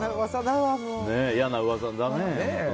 嫌な噂だね。